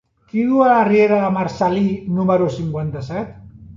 Qui viu a la riera de Marcel·lí número cinquanta-set?